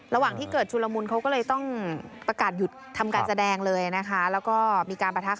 ระหว่างที่เกิดชุลมุลเขาก็เลยต้องตรักัดหยุดทำการแสดงเลยนะค้ะ